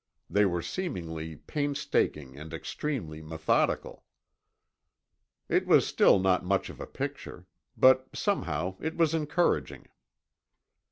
They were seemingly painstaking and extremely methodical. It was still not much of a picture. But somehow, it was encouraging.